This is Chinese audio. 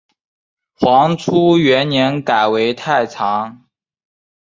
黄初元年改为太常。